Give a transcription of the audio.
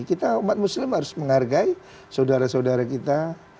kita umat muslim harus menghargai saudara saudara kita